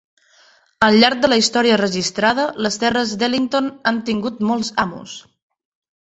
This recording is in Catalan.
Al llarg de la història registrada, les terres d'Ellington han tingut molts amos.